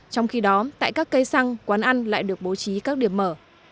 trong khi đó tại các cây xăng quán ăn lại được bố trí các điểm mở